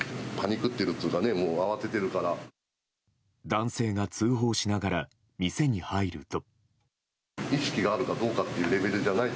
男性が通報しながら店に入ると。